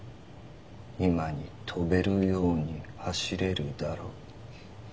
今に飛べるように走れるだろう。